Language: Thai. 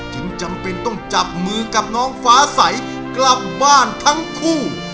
จึงจำเป็นต้องจับมือกับน้องฟ้าใสกลับบ้านทั้งคู่